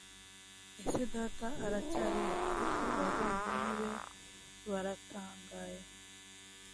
ese data aracyariho ariko abavandimwe be baratangaye